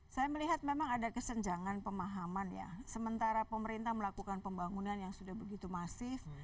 saya melihat memang ada kesenjangan pemahaman ya sementara pemerintah melakukan pembangunan yang sudah begitu masif